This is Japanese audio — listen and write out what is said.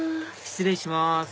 失礼します